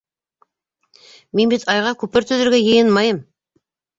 Мин бит Айға күпер төҙөргә йыйынмайым.